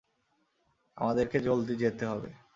আমাদেরকে জলদি যেতে হবে।